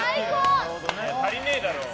足りねえだろ。